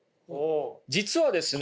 実はですね